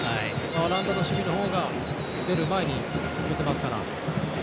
オランダの守備のほうが出る前に寄せますから。